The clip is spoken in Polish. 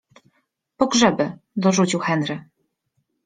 pogrzeby - dorzucił Henry.